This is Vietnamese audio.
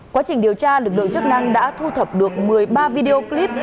quá trình điều tra lực lượng chức năng đã thu thập được một mươi ba video clip